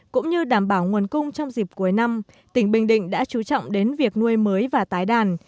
cũng như đảm bảo nguồn cung trong dịp cuối năm tỉnh bình định đã chú trọng đến việc nuôi mới và tái đàn